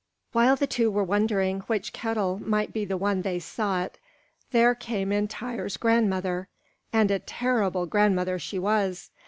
While the two were wondering which kettle might be the one they sought, there came in Tŷr's grandmother, and a terrible grandmother she was.